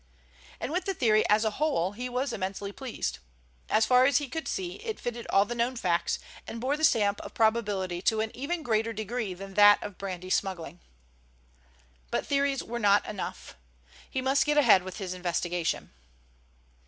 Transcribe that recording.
And with the theory as a whole he was immensely pleased. As far as he could see it fitted all the known facts, and bore the stamp of probability to an even greater degree than that of brandy smuggling. But theories were not enough. He must get ahead with his investigation.